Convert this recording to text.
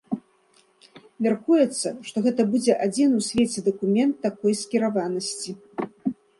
Мяркуецца, што гэта будзе адзіны ў свеце дакумент такой скіраванасці.